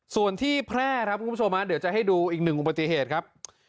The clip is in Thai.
ส่วนที่แพร่ครับคุณผู้ชมเดี๋ยวจะให้ดูอีกหนึ่งอุบัติเหตุครับ